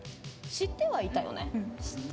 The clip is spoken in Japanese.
知ってはいたよね。